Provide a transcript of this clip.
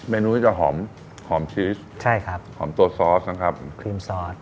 เนื้อจะหอมหอมชีสใช่ครับหอมตัวซอสนะครับครีมซอส